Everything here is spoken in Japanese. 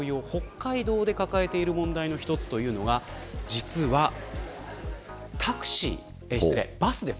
沖縄同様、北海道で抱えている問題の一つというのが実は、バス。